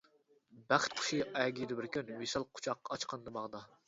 بەخت قۇشى ئەگىيدۇ بىر كۈن، ۋىسال قۇچاق ئاچقاندا باغدا.